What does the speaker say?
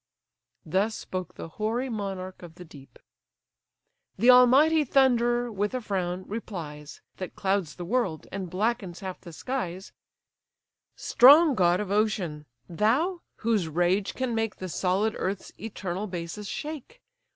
Thus spoke the hoary monarch of the deep. The almighty Thunderer with a frown replies, That clouds the world, and blackens half the skies: "Strong god of ocean! thou, whose rage can make The solid earth's eternal basis shake!